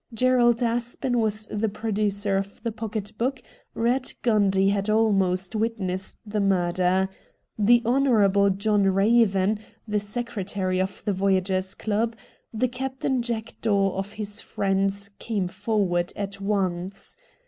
Gerald Aspen was the producer of the pocket book ; Eatt Gundy had almost witnessed the murder. The Honourable John Eaven, the Secretary of tlie Voyagers' Club, the Captain Jackdaw of his friends, came forward at once.